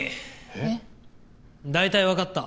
えっ？大体わかった。